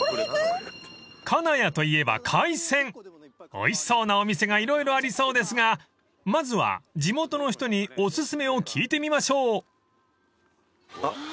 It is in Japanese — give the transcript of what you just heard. ［おいしそうなお店が色々ありそうですがまずは地元の人にお薦めを聞いてみましょう］